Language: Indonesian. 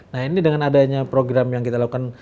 nah ini dengan adanya program yang kita lakukan